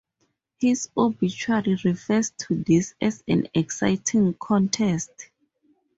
His obituary refers to this as an "exciting contest".